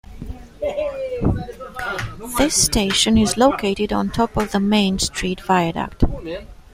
This station is located on top of the Main Street viaduct.